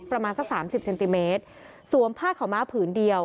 ประมาณสักสามสิบเซนติเมตรสวมผ้าขาวม้าผืนเดียว